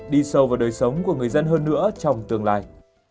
đi sâu vào đời sống của người dân hơn nữa trong tương lai